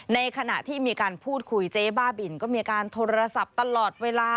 ในขณะที่มีการพูดคุยเจ๊บ้าบินก็มีการโทรศัพท์ตลอดเวลา